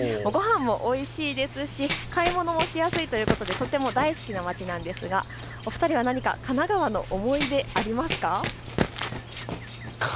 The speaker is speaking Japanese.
ごはんもおいしいですし買い物もしやすいということでとても大好きな街なんですが、お二人、何か神奈川の思い出ありますか。